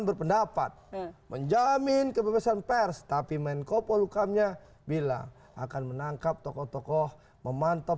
berpendapat menjamin kebebasan pers tapi mencopo lukamnya bilang akan menangkap tokoh tokoh memantau